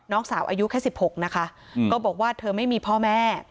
น้องสาวอายุแค่๑๖นะคะก็บอกว่าเธอไม่มีพ่อแม่